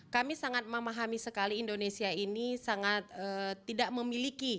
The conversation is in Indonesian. kami sangat memahami sekali indonesia ini sangat tidak memiliki